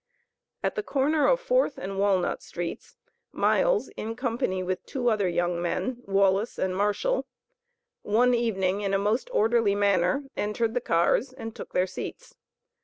At the corner of Fourth and Walnut streets Miles, in company with two other young men, Wallace and Marshall, one evening in a most orderly manner, entered the cars and took their seats.